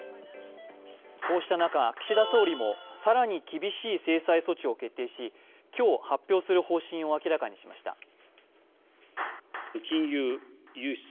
こうした中、岸田総理も更に厳しい制裁措置を決定し今日、発表する方針を明らかにしました。